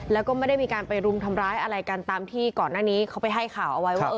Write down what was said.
แล้วก็ไม่ได้มีการไปรุมทำร้ายอะไรกันตามที่ก่อนหน้านี้เขาไปให้ข่าวเอาไว้ว่า